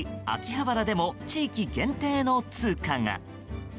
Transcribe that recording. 秋葉原でも地域限定の通貨が。